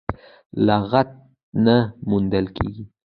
لغت نه موندل کېږي.